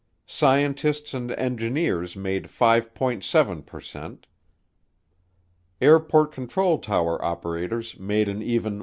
Scientists and engineers made 5.7 per cent, airport control tower operators made an even 1.